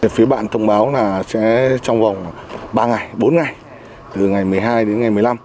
phía bạn thông báo là sẽ trong vòng ba ngày bốn ngày từ ngày một mươi hai đến ngày một mươi năm